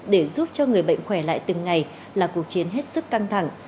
để giúp cho người bệnh khỏe lại từng ngày là cuộc chiến hết sức căng thẳng